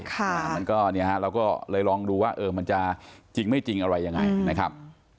มันก็เนี่ยฮะเราก็เลยลองดูว่ามันจะจริงไม่จริงอะไรยังไงนะครับ